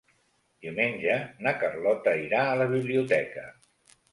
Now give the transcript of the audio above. Diumenge na Carlota irà a la biblioteca.